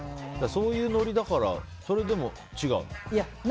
そういうノリだからそれでも違うの？